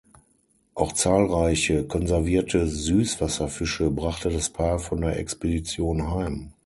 Auch zahlreiche konservierte Süßwasserfische brachte das Paar von der Expedition heim.